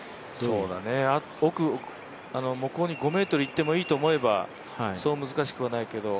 奥、向こうに５ｍいってもいいと思えばそう難しくはないけど。